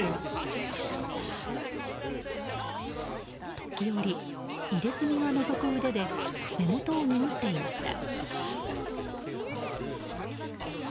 時折、入れ墨がのぞく腕で目元を拭っていました。